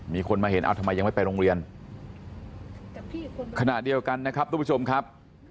มีคนมาเห็นเอ้าทำไมยังไม่ไปโรงเรียนขณะเดียวกันนะครับทุกผู้ชมครับ